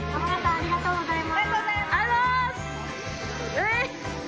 ありがとうございます。